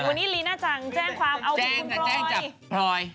วันนี้ลีน่าจังแจ้งความเอาผิดคุณพลอยพลอย